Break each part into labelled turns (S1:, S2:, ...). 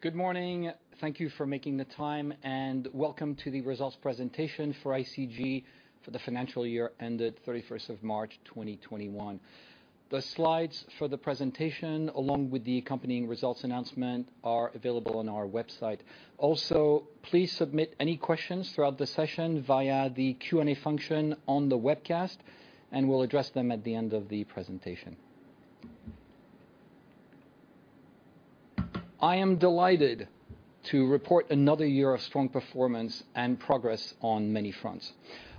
S1: Good morning. Thank you for making the time, and welcome to the results presentation for ICG for the financial year ended 31st of March 2021. The slides for the presentation, along with the accompanying results announcement, are available on our website. Also, please submit any questions throughout the session via the Q&A function on the webcast, and we'll address them at the end of the presentation. I am delighted to report another year of strong performance and progress on many fronts.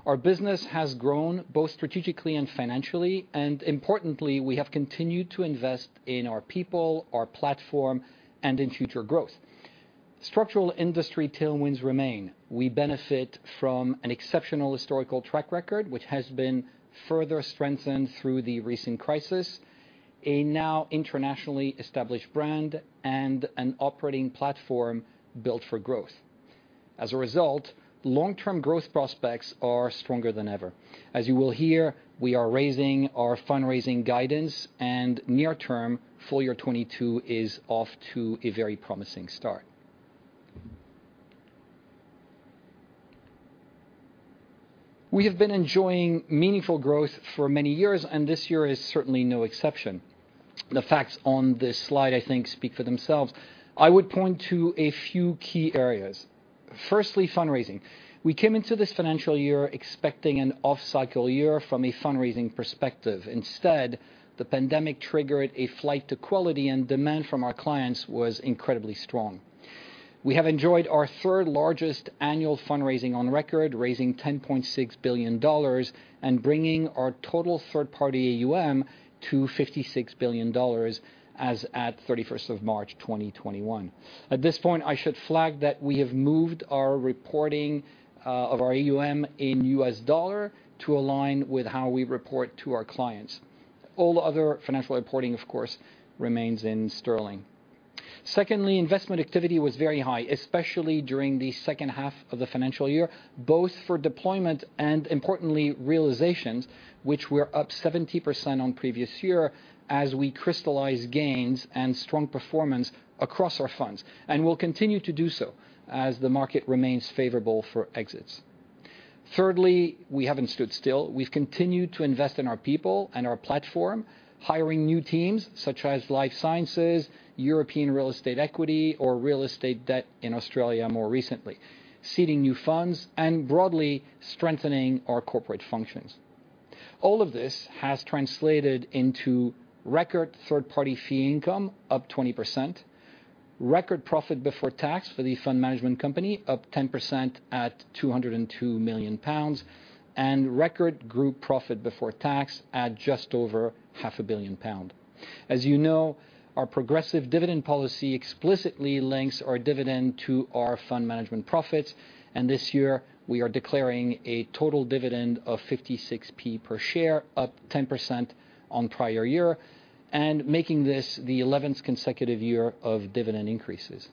S1: Our business has grown both strategically and financially, and importantly, we have continued to invest in our people, our platform, and in future growth. Structural industry tailwinds remain. We benefit from an exceptional historical track record, which has been further strengthened through the recent crisis, a now internationally established brand, and an operating platform built for growth. As a result, long-term growth prospects are stronger than ever. As you will hear, we are raising our fundraising guidance and near-term full year 2022 is off to a very promising start. We have been enjoying meaningful growth for many years, and this year is certainly no exception. The facts on this slide, I think, speak for themselves. I would point to a few key areas. Firstly, fundraising. We came into this financial year expecting an off-cycle year from a fundraising perspective. Instead, the pandemic triggered a flight to quality and demand from our clients was incredibly strong. We have enjoyed our third largest annual fundraising on record, raising $10.6 billion and bringing our total third-party AUM to $56 billion as at 31st of March 2021. At this point, I should flag that we have moved our reporting of our AUM in U.S. dollar to align with how we report to our clients. All other financial reporting, of course, remains in sterling. Investment activity was very high, especially during the second half of the financial year, both for deployment and importantly, realizations, which were up 70% on previous year as we crystallize gains and strong performance across our funds. We'll continue to do so as the market remains favorable for exits. We haven't stood still. We've continued to invest in our people and our platform, hiring new teams such as Life Sciences, European real estate equity, or real estate debt in Australia more recently, seeding new funds and broadly strengthening our corporate functions. All of this has translated into record third-party fee income up 20%, record profit before tax for the fund management company up 10% at 202 million pounds, and record group profit before tax at just over half a billion GBP. As you know, our progressive dividend policy explicitly links our dividend to our fund management profits, and this year we are declaring a total dividend of 0.56 per share, up 10% on prior year, and making this the 11th consecutive year of dividend increases.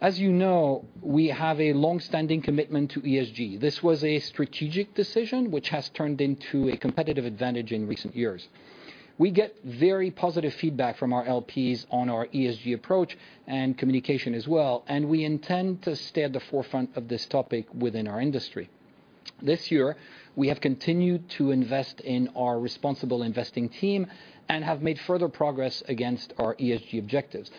S1: As you know, we have a longstanding commitment to ESG. This was a strategic decision which has turned into a competitive advantage in recent years. We get very positive feedback from our LPs on our ESG approach and communication as well, and we intend to stay at the forefront of this topic within our industry. This year, we have continued to invest in our responsible investing team and have made further progress against our ESG objectives.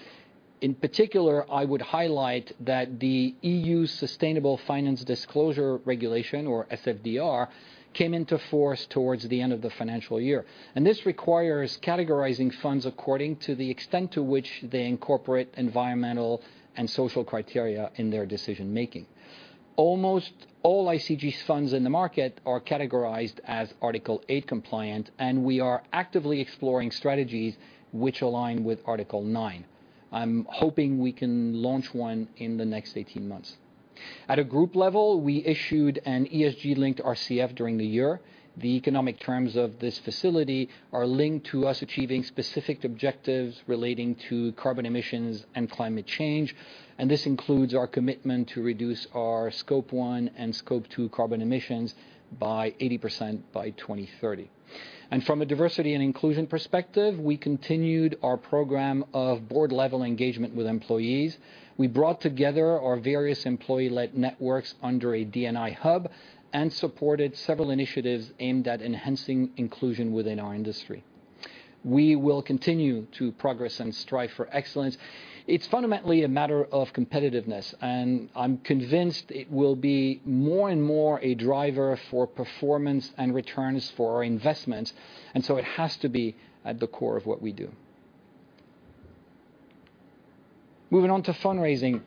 S1: In particular, I would highlight that the E.U. Sustainable Finance Disclosure Regulation, or SFDR, came into force towards the end of the financial year. This requires categorizing funds according to the extent to which they incorporate environmental and social criteria in their decision-making. Almost all ICG's funds in the market are categorized as Article 8 compliant. We are actively exploring strategies which align with Article 9. I'm hoping we can launch one in the next 18 months. At a group level, we issued an ESG-linked RCF during the year. The economic terms of this facility are linked to us achieving specific objectives relating to carbon emissions and climate change. This includes our commitment to reduce our Scope 1 and Scope 2 carbon emissions by 80% by 2030. From a diversity and inclusion perspective, we continued our program of board-level engagement with employees. We brought together our various employee-led networks under a D&I hub and supported several initiatives aimed at enhancing inclusion within our industry. We will continue to progress and strive for excellence. It's fundamentally a matter of competitiveness, and I'm convinced it will be more and more a driver for performance and returns for our investments, and so it has to be at the core of what we do. Moving on to fundraising.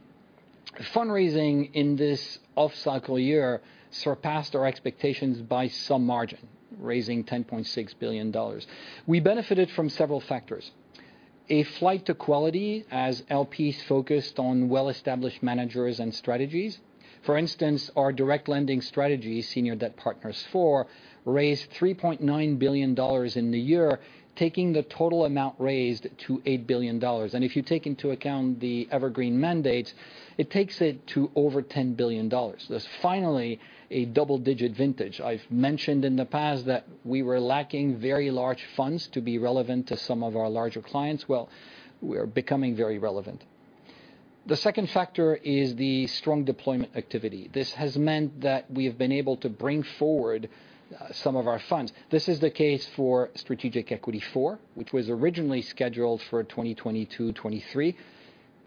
S1: Fundraising in this off-cycle year surpassed our expectations by some margin, raising $10.6 billion. We benefited from several factors. A flight to quality as LPs focused on well-established managers and strategies. For instance, our direct lending strategy, Senior Debt Partners IV, raised $3.9 billion in the year, taking the total amount raised to $8 billion. If you take into account the evergreen mandates, it takes it to over $10 billion. That's finally a double-digit vintage. I've mentioned in the past that we were lacking very large funds to be relevant to some of our larger clients. Well, we are becoming very relevant. The second factor is the strong deployment activity. This has meant that we have been able to bring forward some of our funds. This is the case for Strategic Equity IV, which was originally scheduled for 2022/2023.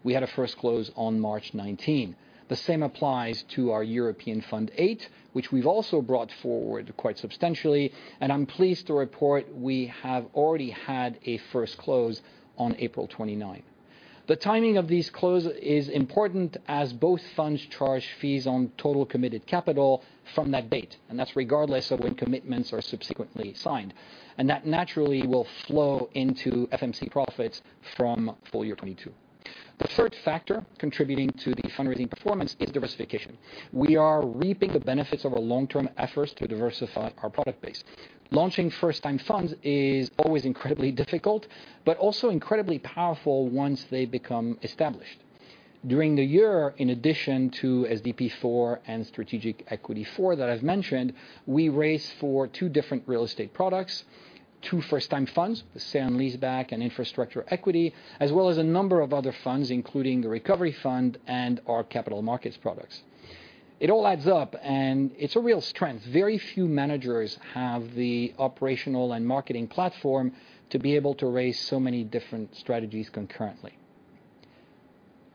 S1: We had a first close on March 19. The same applies to our Europe Fund VIII, which we've also brought forward quite substantially, and I'm pleased to report we have already had a first close on April 29. The timing of these closes is important as both funds charge fees on total committed capital from that date, and that's regardless of when commitments are subsequently signed. That naturally will flow into FMC profits from full year 2022. The third factor contributing to the fundraising performance is diversification. We are reaping the benefits of our long-term efforts to diversify our product base. Launching first-time funds is always incredibly difficult, but also incredibly powerful once they become established. During the year, in addition to SDP IV and Strategic Equity IV that I've mentioned, we raised for two different real estate products, two first-time funds, Sale and Leaseback, and Infrastructure Equity, as well as a number of other funds, including the Recovery Fund and our Capital Markets products. It all adds up, and it's a real strength. Very few managers have the operational and marketing platform to be able to raise so many different strategies concurrently.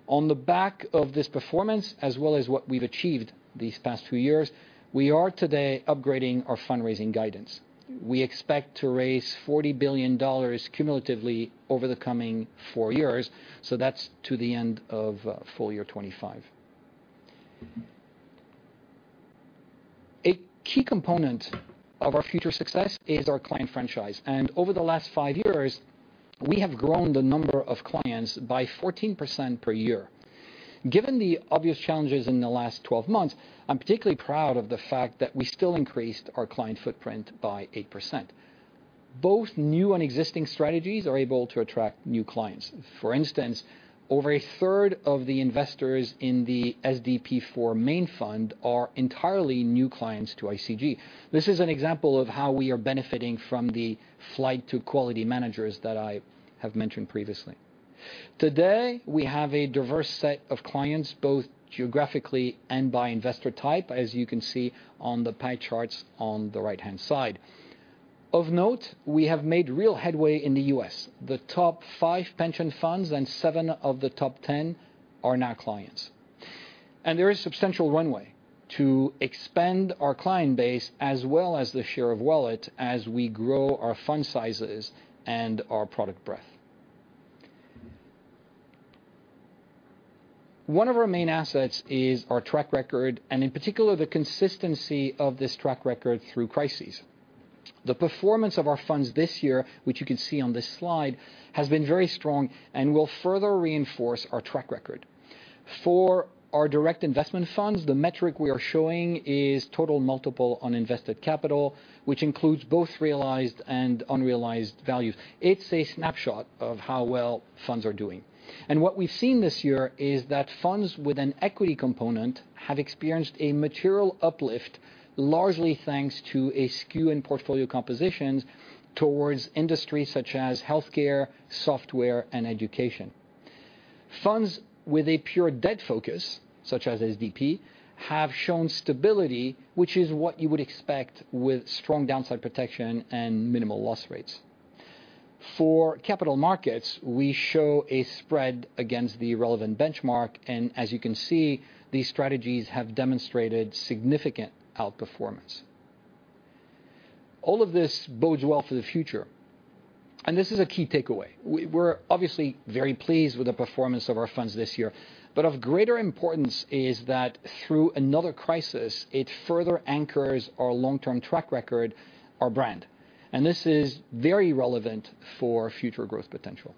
S1: On the back of this performance, as well as what we've achieved these past two years, we are today upgrading our fundraising guidance. We expect to raise $40 billion cumulatively over the coming four years, so that's to the end of FY 2025. A key component of our future success is our client franchise. Over the last five years, we have grown the number of clients by 14% per year. Given the obvious challenges in the last 12 months, I'm particularly proud of the fact that we still increased our client footprint by 8%. Both new and existing strategies are able to attract new clients. For instance, over a third of the investors in the SDP IV main fund are entirely new clients to ICG. This is an example of how we are benefiting from the flight to quality managers that I have mentioned previously. Today, we have a diverse set of clients, both geographically and by investor type, as you can see on the pie charts on the right-hand side. Of note, we have made real headway in the U.S. The top five pension funds and seven of the top 10 are now clients. There is substantial runway to expand our client base as well as the share of wallet as we grow our fund sizes and our product breadth. One of our main assets is our track record, and in particular, the consistency of this track record through crises. The performance of our funds this year, which you can see on this slide, has been very strong and will further reinforce our track record. For our direct investment funds, the metric we are showing is total multiple on invested capital, which includes both realized and unrealized value. It's a snapshot of how well funds are doing. What we've seen this year is that funds with an equity component have experienced a material uplift, largely thanks to a skew in portfolio compositions towards industries such as healthcare, software, and education. Funds with a pure debt focus, such as SDP, have shown stability, which is what you would expect with strong downside protection and minimal loss rates. For Capital Markets, we show a spread against the relevant benchmark, and as you can see, these strategies have demonstrated significant outperformance. All of this bodes well for the future. This is a key takeaway. We're obviously very pleased with the performance of our funds this year, but of greater importance is that through another crisis, it further anchors our long-term track record, our brand. This is very relevant for future growth potential.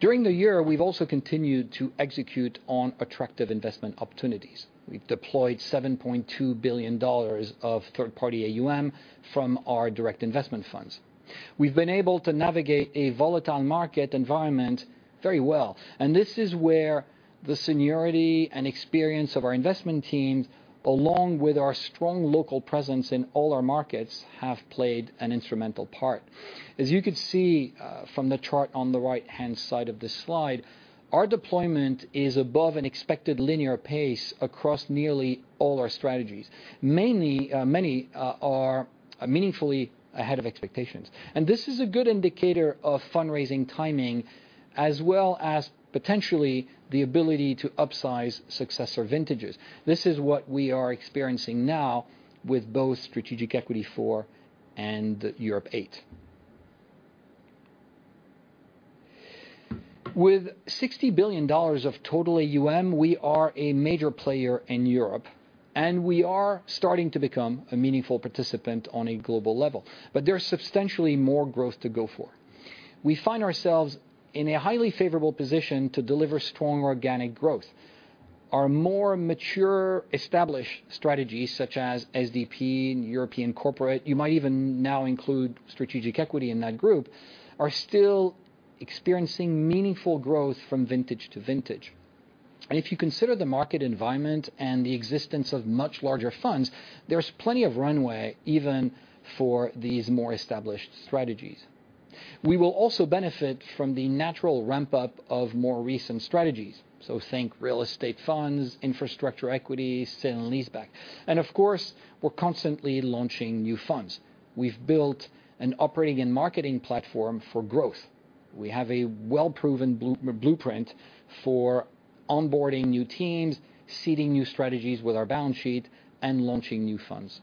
S1: During the year, we've also continued to execute on attractive investment opportunities. We've deployed $7.2 billion of third-party AUM from our direct investment funds. We've been able to navigate a volatile market environment very well, and this is where the seniority and experience of our investment teams, along with our strong local presence in all our markets, have played an instrumental part. As you can see from the chart on the right-hand side of this slide, our deployment is above an expected linear pace across nearly all our strategies. Many are meaningfully ahead of expectations. This is a good indicator of fundraising timing as well as potentially the ability to upsize successor vintages. This is what we are experiencing now with both Strategic Equity IV and Europe VIII. With $60 billion of total AUM, we are a major player in Europe, and we are starting to become a meaningful participant on a global level, but there's substantially more growth to go for. We find ourselves in a highly favorable position to deliver strong organic growth. Our more mature, established strategies such as SDP and European Corporate, you might even now include Strategic Equity in that group, are still experiencing meaningful growth from vintage to vintage. If you consider the market environment and the existence of much larger funds, there's plenty of runway even for these more established strategies. We will also benefit from the natural ramp-up of more recent strategies. Think real estate funds, Infrastructure Equity, Sale and Leaseback. Of course, we're constantly launching new funds. We've built an operating and marketing platform for growth. We have a well-proven blueprint for onboarding new teams, seeding new strategies with our balance sheet, and launching new funds.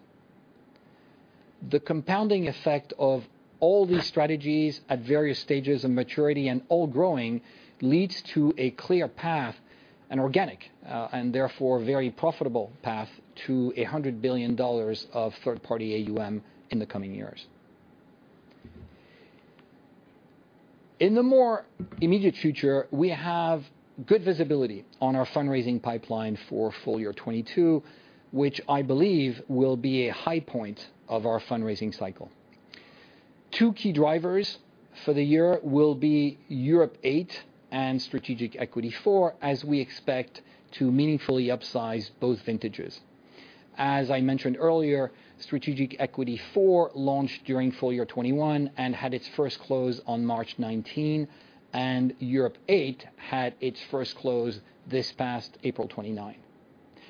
S1: The compounding effect of all these strategies at various stages of maturity and all growing leads to a clear path, an organic, and therefore very profitable path to $100 billion of third-party AUM in the coming years. In the more immediate future, we have good visibility on our fundraising pipeline for full year 2022, which I believe will be a high point of our fundraising cycle. Two key drivers for the year will be Europe Fund VIII and ICG Strategic Equity IV, as we expect to meaningfully upsize both vintages. As I mentioned earlier, ICG Strategic Equity IV launched during full year 2021 and had its first close on March 19, and Europe Fund VIII had its first close this past April 29th.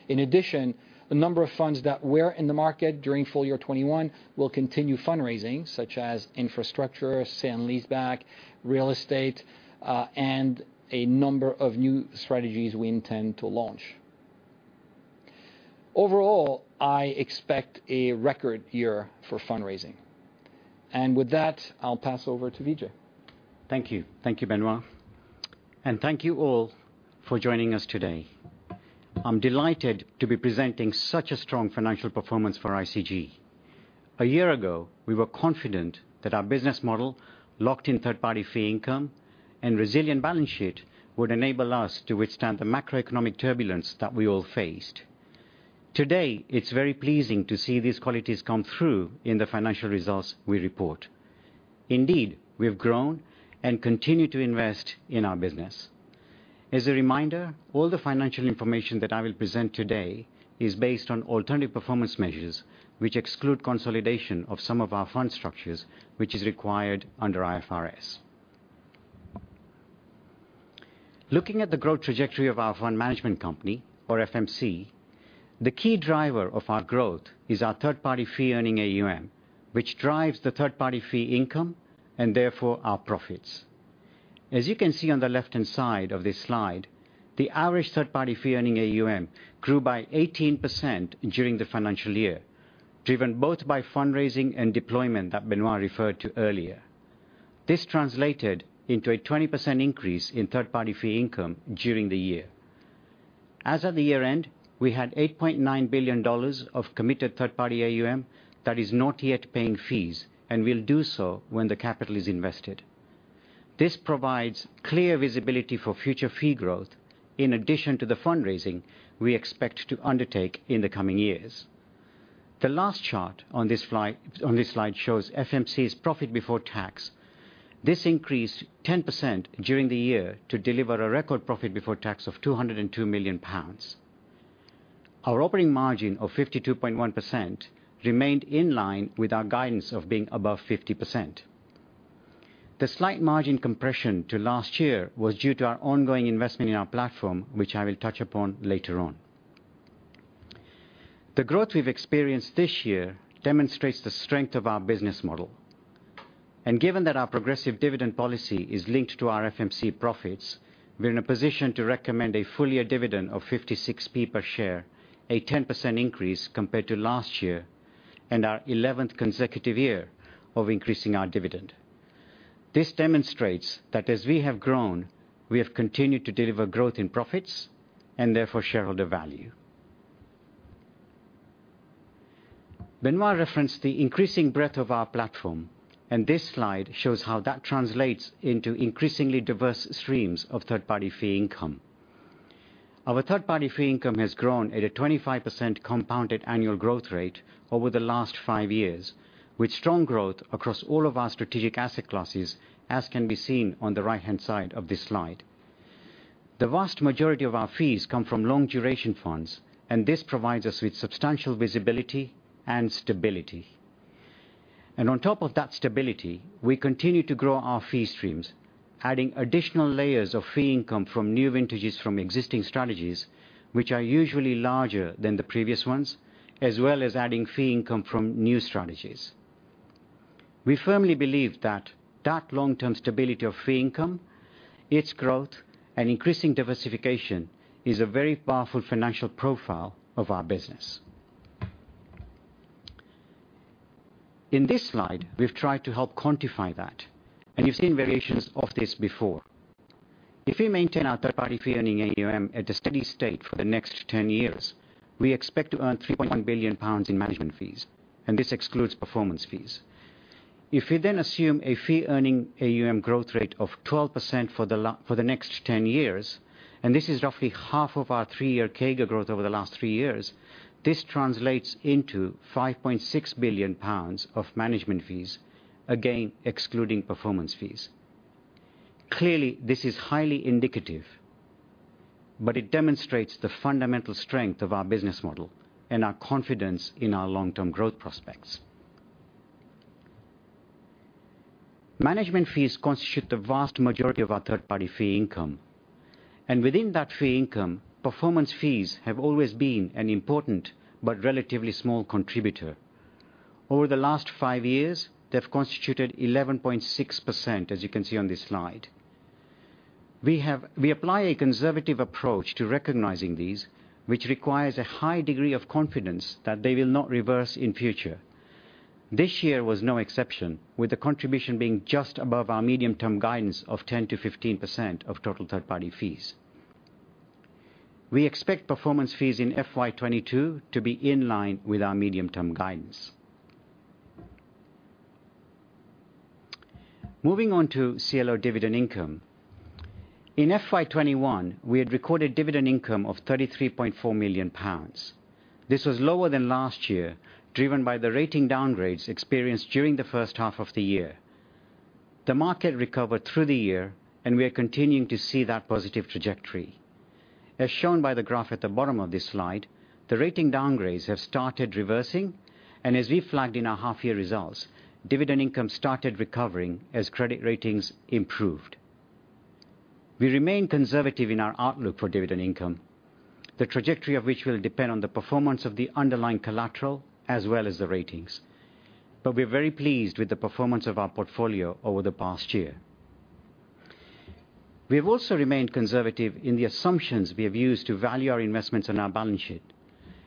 S1: In addition, the number of funds that were in the market during full year 2021 will continue fundraising, such as Infrastructure, Sale and Leaseback, Real Estate, and a number of new strategies we intend to launch. Overall, I expect a record year for fundraising. With that, I'll pass over to Vijay.
S2: Thank you. Thank you, Benoît. Thank you all for joining us today. I'm delighted to be presenting such a strong financial performance for ICG. A year ago, we were confident that our business model locked in third-party fee income and resilient balance sheet would enable us to withstand the macroeconomic turbulence that we all faced. Today, it's very pleasing to see these qualities come through in the financial results we report. Indeed, we've grown and continue to invest in our business. As a reminder, all the financial information that I will present today is based on alternative performance measures, which exclude consolidation of some of our fund structures, which is required under IFRS. Looking at the growth trajectory of our fund management company, or FMC, the key driver of our growth is our third-party fee earning AUM, which drives the third-party fee income, and therefore our profits. As you can see on the left-hand side of this slide, the average third-party fee earning AUM grew by 18% during the financial year, driven both by fundraising and deployment that Benoît referred to earlier. This translated into a 20% increase in third-party fee income during the year. As of the year-end, we had GBP 8.9 billion of committed third party AUM that is not yet paying fees and will do so when the capital is invested. This provides clear visibility for future fee growth in addition to the fundraising we expect to undertake in the coming years. The last chart on this slide shows ICG plc's profit before tax. This increased 10% during the year to deliver a record profit before tax of 202 million pounds. Our operating margin of 52.1% remained in line with our guidance of being above 50%. The slight margin compression to last year was due to our ongoing investment in our platform, which I will touch upon later on. The growth we've experienced this year demonstrates the strength of our business model. Given that our progressive dividend policy is linked to our FMC profits, we're in a position to recommend a full year dividend of 0.56 per share, a 10% increase compared to last year, and our 11th consecutive year of increasing our dividend. This demonstrates that as we have grown, we have continued to deliver growth in profits and therefore shareholder value. Benoît referenced the increasing breadth of our platform, this slide shows how that translates into increasingly diverse streams of third-party fee income. Our third-party fee income has grown at a 25% compounded annual growth rate over the last five years, with strong growth across all of our strategic asset classes, as can be seen on the right-hand side of this slide. The vast majority of our fees come from long duration funds. This provides us with substantial visibility and stability. On top of that stability, we continue to grow our fee streams, adding additional layers of fee income from new vintages from existing strategies, which are usually larger than the previous ones, as well as adding fee income from new strategies. We firmly believe that long-term stability of fee income, its growth, and increasing diversification is a very powerful financial profile of our business. In this slide, we've tried to help quantify that. You've seen variations of this before. If we maintain our third-party fee earning AUM at a steady state for the next 10 years, we expect to earn 3.1 billion pounds in management fees. This excludes performance fees. If we assume a fee earning AUM growth rate of 12% for the next 10 years, this is roughly half of our three-year CAGR growth over the last three years. This translates into 5.6 billion pounds of management fees, again, excluding performance fees. Clearly, this is highly indicative. It demonstrates the fundamental strength of our business model and our confidence in our long-term growth prospects. Management fees constitute the vast majority of our third-party fee income. Within that fee income, performance fees have always been an important but relatively small contributor. Over the last five years, they've constituted 11.6%, as you can see on this slide. We apply a conservative approach to recognizing these, which requires a high degree of confidence that they will not reverse in future. This year was no exception, with the contribution being just above our medium-term guidance of 10%-15% of total third-party fees. We expect performance fees in FY 2022 to be in line with our medium-term guidance. Moving on to CLO dividend income. In FY 2021, we had recorded dividend income of 33.4 million pounds. This was lower than last year, driven by the rating downgrades experienced during the first half of the year. The market recovered through the year, and we are continuing to see that positive trajectory. As shown by the graph at the bottom of this slide, the rating downgrades have started reversing, and as we flagged in our half-year results, dividend income started recovering as credit ratings improved. We remain conservative in our outlook for dividend income, the trajectory of which will depend on the performance of the underlying collateral as well as the ratings. We're very pleased with the performance of our portfolio over the past year. We've also remained conservative in the assumptions we have used to value our investments on our balance sheet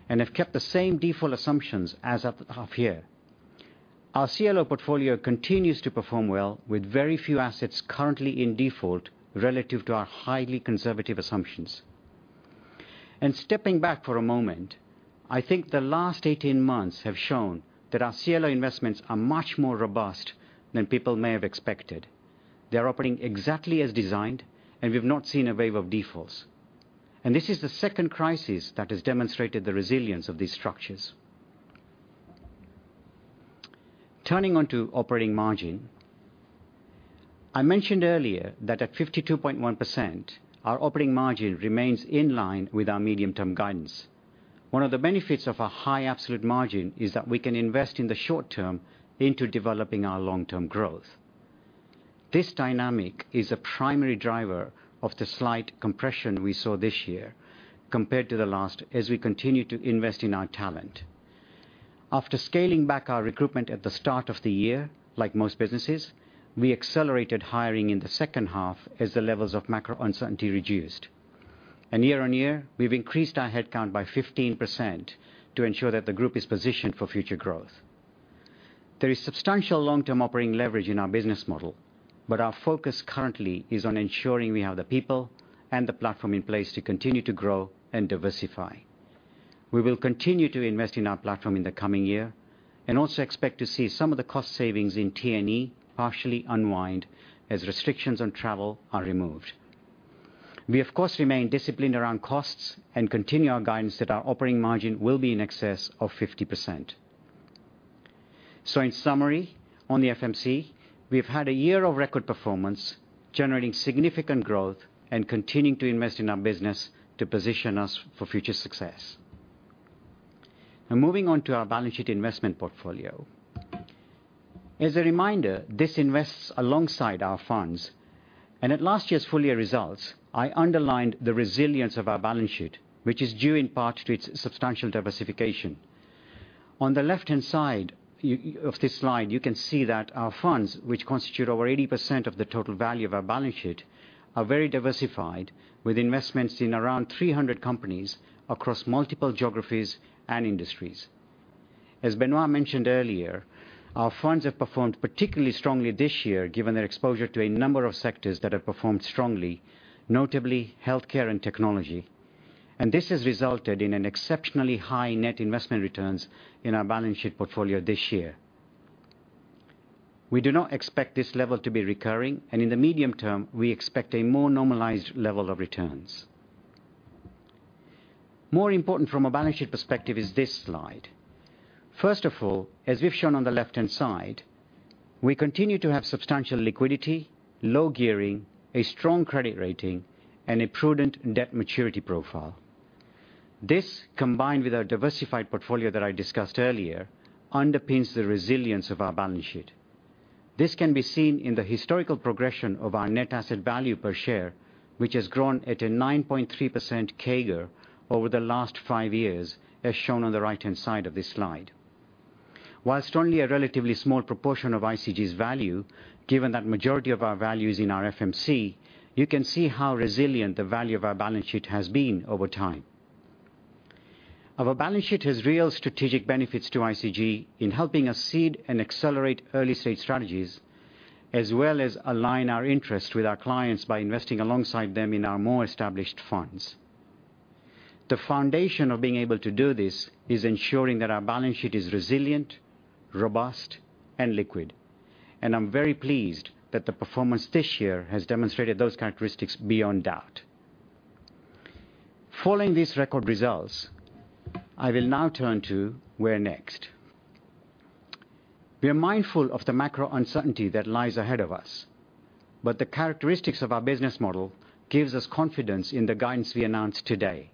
S2: and have kept the same default assumptions as at the half year. Our CLO portfolio continues to perform well, with very few assets currently in default relative to our highly conservative assumptions. Stepping back for a moment, I think the last 18 months have shown that our CLO investments are much more robust than people may have expected. They're operating exactly as designed, and we've not seen a wave of defaults. This is the second crisis that has demonstrated the resilience of these structures. Turning onto operating margin. I mentioned earlier that at 52.1%, our operating margin remains in line with our medium-term guidance. One of the benefits of a high absolute margin is that we can invest in the short term into developing our long-term growth. This dynamic is a primary driver of the slight compression we saw this year compared to the last, as we continue to invest in our talent. After scaling back our recruitment at the start of the year, like most businesses, we accelerated hiring in the second half as the levels of macro uncertainty reduced. Year-on-year, we've increased our headcount by 15% to ensure that the group is positioned for future growth. There is substantial long-term operating leverage in our business model, but our focus currently is on ensuring we have the people and the platform in place to continue to grow and diversify. We will continue to invest in our platform in the coming year and also expect to see some of the cost savings in T&E partially unwind as restrictions on travel are removed. We, of course, remain disciplined around costs and continue our guidance that our operating margin will be in excess of 50%. In summary, on the FMC, we've had a year of record performance, generating significant growth and continuing to invest in our business to position us for future success. Moving on to our balance sheet investment portfolio. As a reminder, this invests alongside our funds. At last year's full year results, I underlined the resilience of our balance sheet, which is due in part to its substantial diversification. On the left-hand side of this slide, you can see that our funds, which constitute over 80% of the total value of our balance sheet, are very diversified, with investments in around 300 companies across multiple geographies and industries. As Benoît mentioned earlier, our funds have performed particularly strongly this year given their exposure to a number of sectors that have performed strongly, notably healthcare and technology. This has resulted in exceptionally high net investment returns in our balance sheet portfolio this year. We do not expect this level to be recurring, and in the medium term, we expect a more normalized level of returns. More important from a balance sheet perspective is this slide. First of all, as we've shown on the left-hand side, we continue to have substantial liquidity, low gearing, a strong credit rating, and a prudent debt maturity profile. This, combined with our diversified portfolio that I discussed earlier, underpins the resilience of our balance sheet. This can be seen in the historical progression of our net asset value per share, which has grown at a 9.3% CAGR over the last five years, as shown on the right-hand side of this slide. While strongly a relatively small proportion of ICG's value, given that majority of our value is in our FMC, you can see how resilient the value of our balance sheet has been over time. Our balance sheet has real strategic benefits to ICG in helping us seed and accelerate early-stage strategies, as well as align our interests with our clients by investing alongside them in our more established funds. The foundation of being able to do this is ensuring that our balance sheet is resilient, robust, and liquid. I'm very pleased that the performance this year has demonstrated those characteristics beyond doubt. Following these record results, I will now turn to where next. We are mindful of the macro uncertainty that lies ahead of us, but the characteristics of our business model gives us confidence in the guidance we announced today.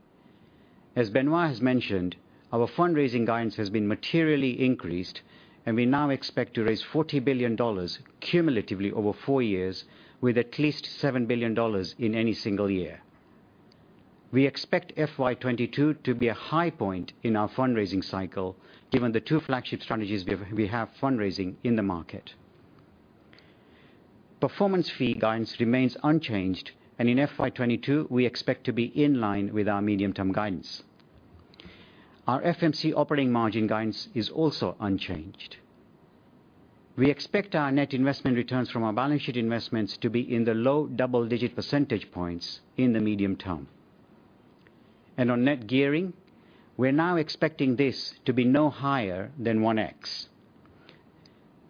S2: As Benoît has mentioned, our fundraising guidance has been materially increased, and we now expect to raise $40 billion cumulatively over four years with at least $7 billion in any single year. We expect FY 2022 to be a high point in our fundraising cycle, given the two flagship strategies we have fundraising in the market. Performance fee guidance remains unchanged and in FY 2022, we expect to be in line with our medium-term guidance. Our FMC operating margin guidance is also unchanged. We expect our net investment returns from our balance sheet investments to be in the low double-digit percentage points in the medium term. On net gearing, we're now expecting this to be no higher than 1x.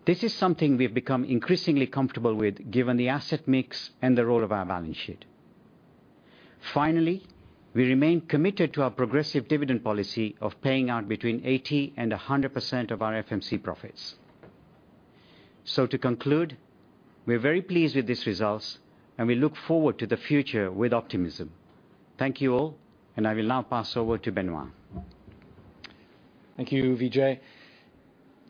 S2: This is something we've become increasingly comfortable with given the asset mix and the role of our balance sheet. Finally, we remain committed to our progressive dividend policy of paying out between 80% and 100% of our FMC profits. To conclude, we're very pleased with these results, and we look forward to the future with optimism. Thank you all, and I will now pass over to Benoît.
S1: Thank you, Vijay.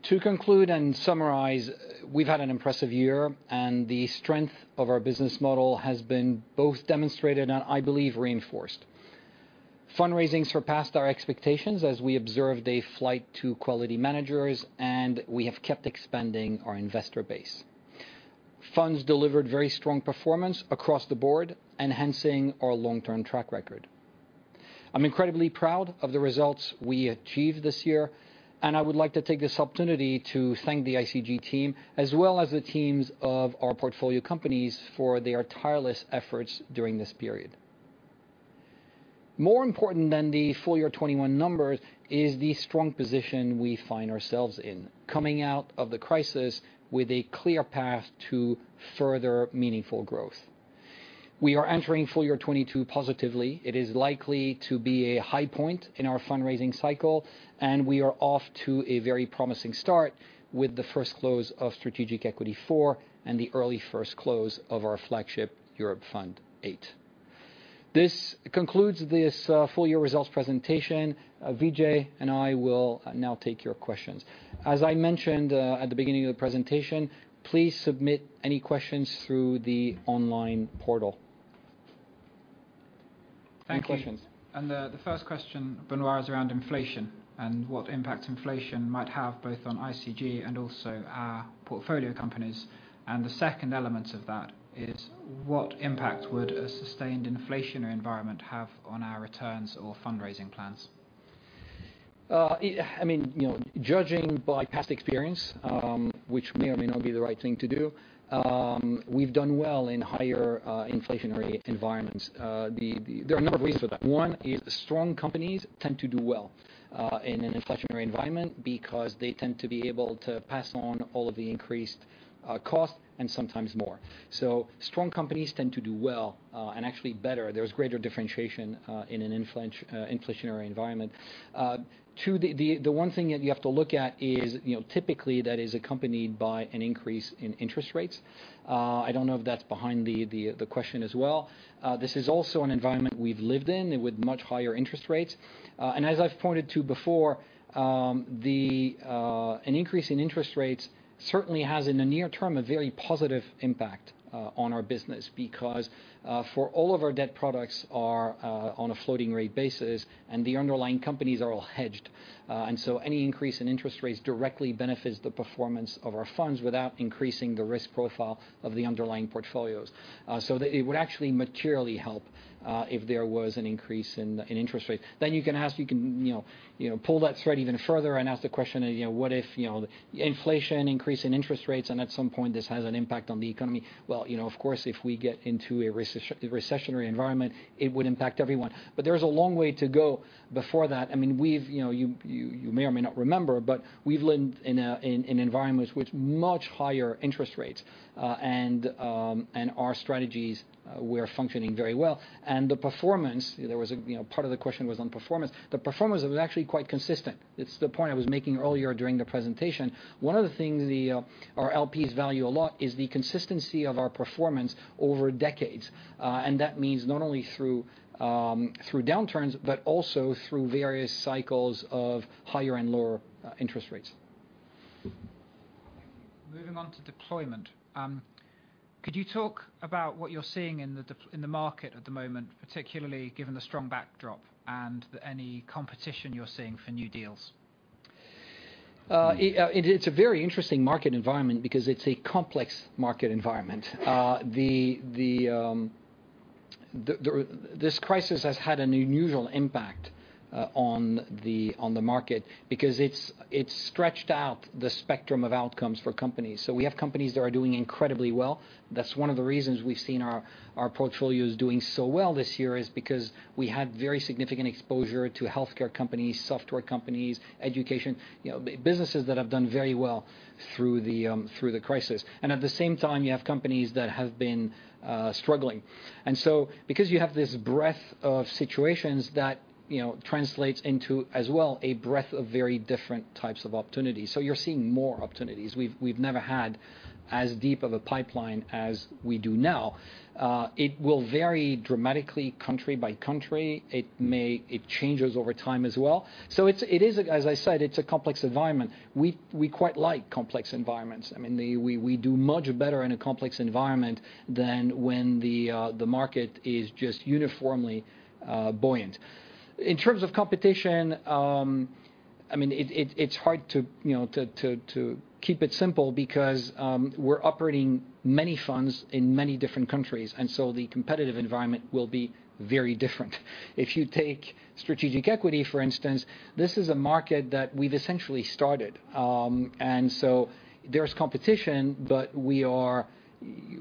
S1: To conclude and summarize, we've had an impressive year and the strength of our business model has been both demonstrated and I believe reinforced. Fundraising surpassed our expectations as we observed a flight to quality managers. We have kept expanding our investor base. Funds delivered very strong performance across the board, enhancing our long-term track record. I'm incredibly proud of the results we achieved this year, and I would like to take this opportunity to thank the ICG team, as well as the teams of our portfolio companies for their tireless efforts during this period. More important than the full year 2021 numbers is the strong position we find ourselves in coming out of the crisis with a clear path to further meaningful growth. We are entering full year 2022 positively. It is likely to be a high point in our fundraising cycle, and we are off to a very promising start with the first close of Strategic Equity IV and the early first close of our flagship Europe Fund VIII. This concludes this full year results presentation. Vijay and I will now take your questions. As I mentioned at the beginning of the presentation, please submit any questions through the online portal.
S3: Thank you.
S1: Any questions?
S3: The first question, Benoit, is around inflation and what impact inflation might have both on ICG and also our portfolio companies. The second element of that is what impact would a sustained inflationary environment have on our returns or fundraising plans?
S1: Judging by past experience, which may or may not be the right thing to do, we've done well in higher inflationary environments. There are a number of reasons for that. One is strong companies tend to do well in an inflationary environment because they tend to be able to pass on all of the increased costs and sometimes more. Strong companies tend to do well, and actually better. There's greater differentiation in an inflationary environment. Two, the one thing that you have to look at is typically that is accompanied by an increase in interest rates. I don't know if that's behind the question as well. This is also an environment we've lived in with much higher interest rates. As I've pointed to before, an increase in interest rates certainly has, in the near term, a very positive impact on our business because for all of our debt products are on a floating rate basis and the underlying companies are all hedged. Any increase in interest rates directly benefits the performance of our funds without increasing the risk profile of the underlying portfolios. It would actually materially help if there was an increase in interest rates. You can pull that thread even further and ask the question, what if inflation increase and interest rates and at some point this has an impact on the economy? Of course, if we get into a recessionary environment, it would impact everyone. There is a long way to go before that. You may or may not remember, but we've lived in environments with much higher interest rates, and our strategies were functioning very well. The performance, part of the question was on performance. The performance was actually quite consistent. It's the point I was making earlier during the presentation. One of the things our LPs value a lot is the consistency of our performance over decades. That means not only through downturns, but also through various cycles of higher and lower interest rates.
S3: Moving on to deployment. Could you talk about what you're seeing in the market at the moment, particularly given the strong backdrop and any competition you're seeing for new deals?
S1: It's a very interesting market environment because it's a complex market environment. This crisis has had an unusual impact on the market because it's stretched out the spectrum of outcomes for companies. We have companies that are doing incredibly well. That's one of the reasons we've seen our portfolios doing so well this year, is because we had very significant exposure to healthcare companies, software companies, education, businesses that have done very well through the crisis. At the same time, you have companies that have been struggling. Because you have this breadth of situations, that translates into, as well, a breadth of very different types of opportunities. You're seeing more opportunities. We've never had as deep of a pipeline as we do now. It will vary dramatically country by country. It changes over time as well. It is, as I said, it's a complex environment. We quite like complex environments. We do much better in a complex environment than when the market is just uniformly buoyant. In terms of competition, it's hard to keep it simple because we're operating many funds in many different countries, and so the competitive environment will be very different. If you take Strategic Equity, for instance, this is a market that we've essentially started. There's competition, but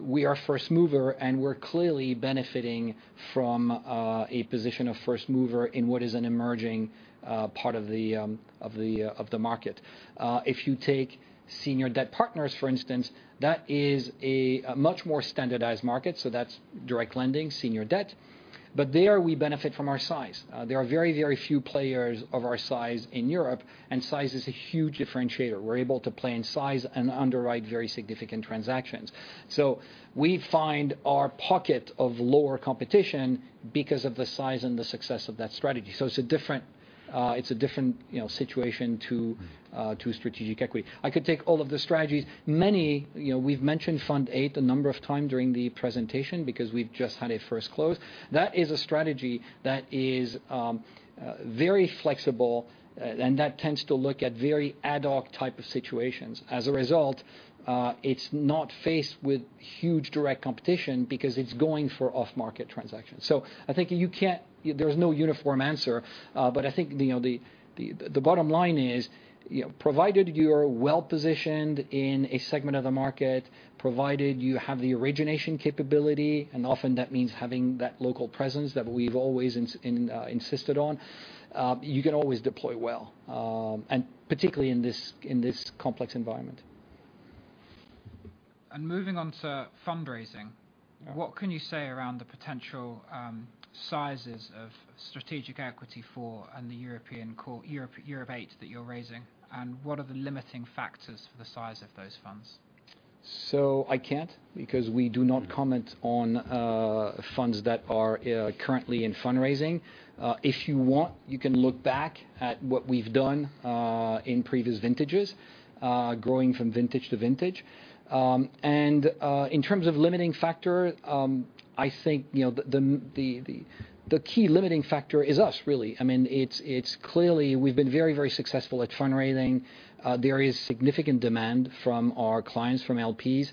S1: we are first mover, and we're clearly benefiting from a position of first mover in what is an emerging part of the market. If you take Senior Debt Partners, for instance, that is a much more standardized market. That's direct lending senior debt. There we benefit from our size. There are very few players of our size in Europe, and size is a huge differentiator. We're able to play in size and underwrite very significant transactions. We find our pocket of lower competition because of the size and the success of that strategy. It's a different situation to Strategic Equity. I could take all of the strategies. We've mentioned Fund VIII a number of times during the presentation because we've just had a first close. That is a strategy that is very flexible and that tends to look at very ad hoc type of situations. As a result, it's not faced with huge direct competition because it's going for off-market transactions. I think there is no uniform answer. I think the bottom line is, provided you are well-positioned in a segment of the market, provided you have the origination capability, and often that means having that local presence that we've always insisted on, you can always deploy well, and particularly in this complex environment.
S3: Moving on to fundraising.
S1: Yeah
S3: What can you say around the potential sizes of Strategic Equity IV and the European Corporate, Europe VIII that you're raising? What are the limiting factors for the size of those funds?
S1: I can't, because we do not comment on funds that are currently in fundraising. If you want, you can look back at what we've done in previous vintages, growing from vintage to vintage. In terms of limiting factor, I think the key limiting factor is us, really. It's clearly we've been very, very successful at fundraising. There is significant demand from our clients, from LPs.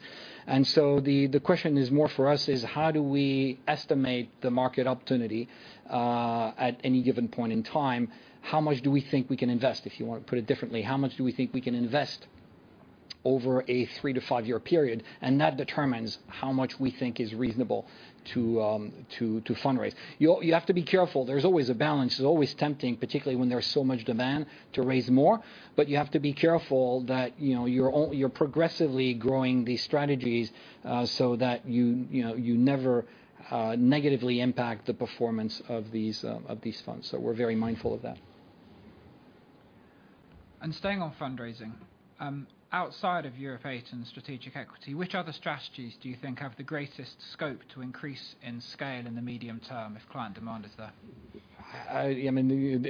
S1: The question is more for us is how do we estimate the market opportunity at any given point in time? How much do we think we can invest? If you want to put it differently, how much do we think we can invest over a three- to five-year period? That determines how much we think is reasonable to fundraise. You have to be careful. There's always a balance. It's always tempting, particularly when there's so much demand, to raise more. You have to be careful that you're progressively growing these strategies so that you never negatively impact the performance of these funds. We're very mindful of that.
S3: Staying on fundraising, outside of Europe VIII and Strategic Equity, which other strategies do you think have the greatest scope to increase in scale in the medium term if client demand is there?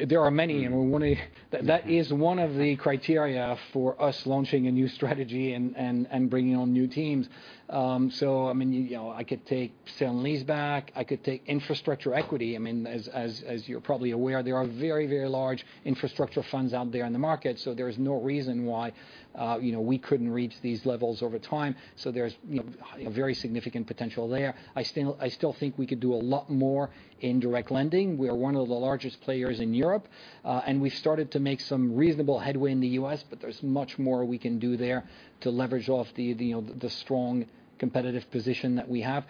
S1: There are many. That is one of the criteria for us launching a new strategy and bringing on new teams. I could take Sale and Leaseback, I could take Infrastructure Equity. As you're probably aware, there are very, very large infrastructure funds out there in the market, so there is no reason why we couldn't reach these levels over time. There's very significant potential there. I still think we could do a lot more in direct lending. We are one of the largest players in Europe. We've started to make some reasonable headway in the U.S., but there's much more we can do there to leverage off the strong competitive position that we have.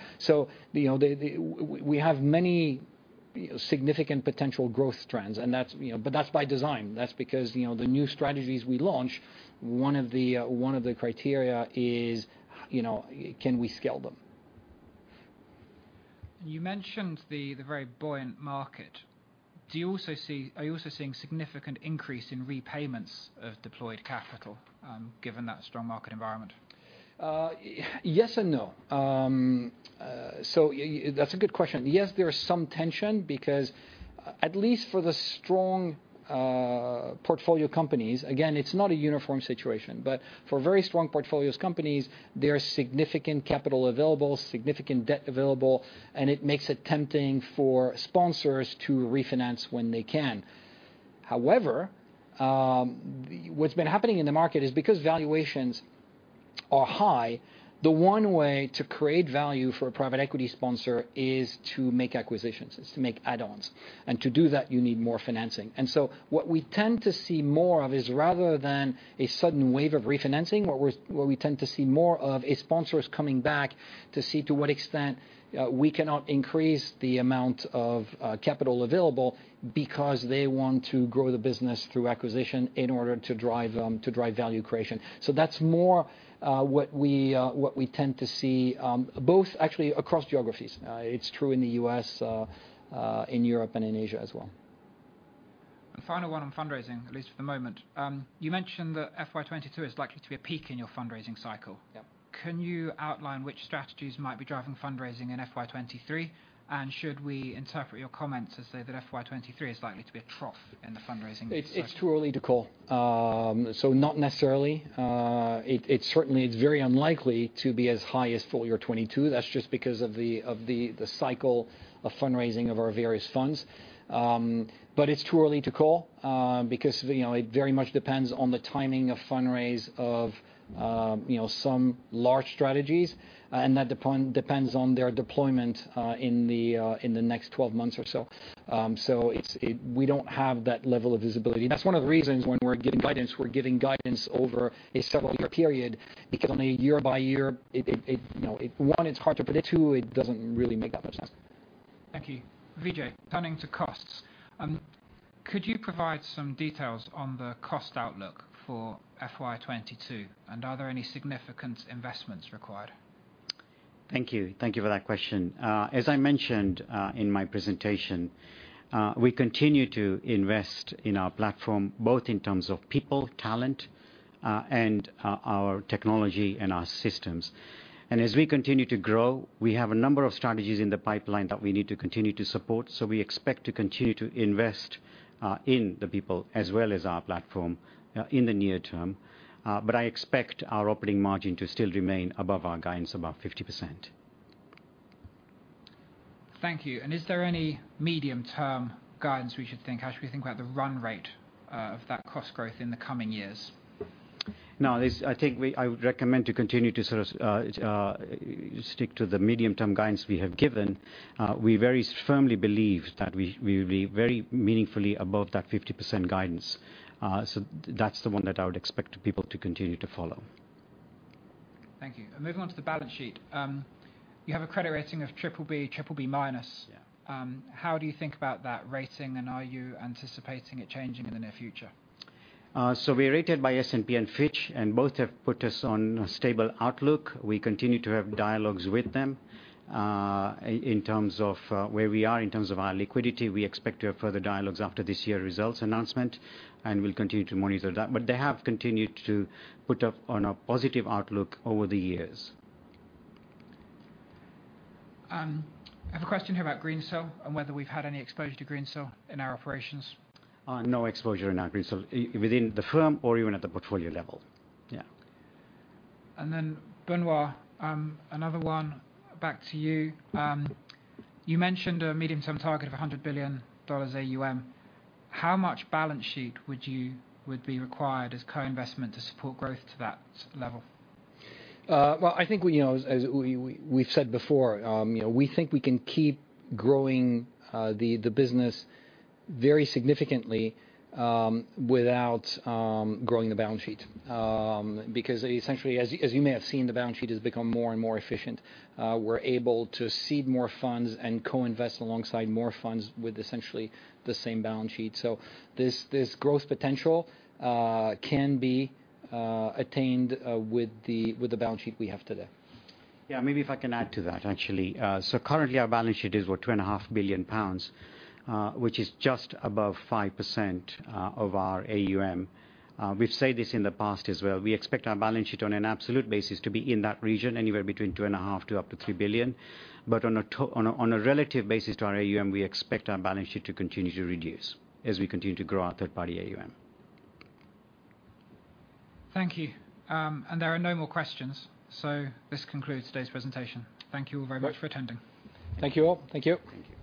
S1: We have many significant potential growth trends, but that's by design. That's because the new strategies we launch, one of the criteria is can we scale them?
S3: You mentioned the very buoyant market. Are you also seeing significant increase in repayments of deployed capital given that strong market environment?
S1: Yes and no. That's a good question. Yes, there is some tension because at least for the strong portfolio companies, again, it's not a uniform situation, but for very strong portfolio companies, there are significant capital available, significant debt available, and it makes it tempting for sponsors to refinance when they can. However, what's been happening in the market is because valuations are high. The one way to create value for a private equity sponsor is to make acquisitions, is to make add-ons. To do that, you need more financing. What we tend to see more of is rather than a sudden wave of refinancing, what we tend to see more of is sponsors coming back to see to what extent we cannot increase the amount of capital available because they want to grow the business through acquisition in order to drive value creation. That's more what we tend to see both actually across geographies. It's true in the U.S., in Europe and in Asia as well.
S3: The final one on fundraising, at least for the moment. You mentioned that FY 2022 is likely to be a peak in your fundraising cycle.
S1: Yeah.
S3: Can you outline which strategies might be driving fundraising in FY 2023? Should we interpret your comments to say that FY 2023 is likely to be a trough in the fundraising cycle?
S1: It's too early to call. Not necessarily. It's certainly very unlikely to be as high as full year 2022. That's just because of the cycle of fundraising of our various funds. It's too early to call because it very much depends on the timing of fundraise of some large strategies, and that depends on their deployment in the next 12 months or so. We don't have that level of visibility. That's one of the reasons when we're giving guidance, we're giving guidance over a several year period, because on a year by year, one, it's hard to predict, two, it doesn't really make that much sense.
S3: Thank you. Vijay, turning to costs. Could you provide some details on the cost outlook for FY 2022? Are there any significant investments required?
S2: Thank you. Thank you for that question. As I mentioned in my presentation, we continue to invest in our platform, both in terms of people, talent, and our technology and our systems. As we continue to grow, we have a number of strategies in the pipeline that we need to continue to support. We expect to continue to invest in the people as well as our platform in the near term. I expect our operating margin to still remain above our guidance of above 50%.
S3: Thank you. Is there any medium-term guidance we should think as we think about the run rate of that cost growth in the coming years?
S2: No. I think I would recommend to continue to stick to the medium-term guidance we have given. We very firmly believe that we will be very meaningfully above that 50% guidance. That's the one that I would expect people to continue to follow.
S3: Thank you. Moving on to the balance sheet. You have a credit rating of BBB minus.
S1: Yeah.
S3: How do you think about that rating, and are you anticipating it changing in the near future?
S2: We're rated by S&P and Fitch, and both have put us on a stable outlook. We continue to have dialogues with them, in terms of where we are in terms of our liquidity. We expect to have further dialogues after this year's results announcement, and we'll continue to monitor that. They have continued to put up on a positive outlook over the years.
S3: I have a question here about Greensill and whether we've had any exposure to Greensill in our operations.
S2: No exposure in Greensill within the firm or even at the portfolio level. Yeah.
S3: Benoît, another one back to you. You mentioned a medium-term target of $100 billion AUM. How much balance sheet would be required as co-investment to support growth to that level?
S1: Well, I think as we've said before, we think we can keep growing the business very significantly without growing the balance sheet. Essentially, as you may have seen, the balance sheet has become more and more efficient. We're able to seed more funds and co-invest alongside more funds with essentially the same balance sheet. This growth potential can be attained with the balance sheet we have today.
S2: Yeah, maybe if I can add to that, actually. Currently our balance sheet is worth 2.5 billion pounds, which is just above 5% of our AUM. We've said this in the past as well. We expect our balance sheet on an absolute basis to be in that region, anywhere between 2.5 billion to up to 3 billion. On a relative basis to our AUM, we expect our balance sheet to continue to reduce as we continue to grow our third party AUM.
S3: Thank you. There are no more questions. This concludes today's presentation. Thank you all very much for attending.
S1: Thank you all. Thank you.
S2: Thank you.